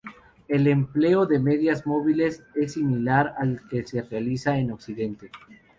El empleo de medias móviles es similar al que se realiza en Occidente.